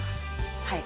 はい。